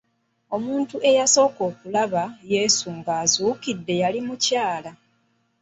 Omuntu eyasooka okulaba Yesu nga azuukidde yali mukyala.